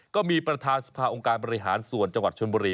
ก็มีประธานสภาองค์การบริหารส่วนจังหวัดชนบุรี